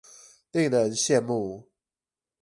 令人羡慕